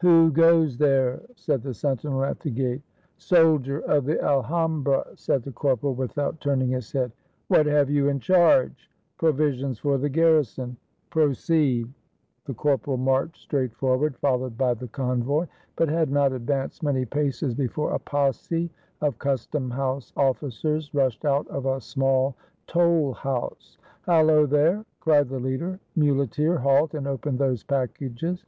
"Who goes there?" said the sentinel at the gate. " Soldier of the Alhambra !" said the corporal, without turning his head. "What have you in charge?" "Provisions for the garrison." ! "Proceed." The corporal marched straight forward, followed by the convoy, but had not advanced many paces before a posse of custom house officers rushed out of a small toll house. "Hallo, there!" cried the leader. "Muleteer, halt, and open those packages."